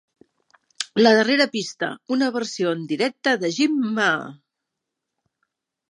La darrera pista, una versió en directe de Gimme!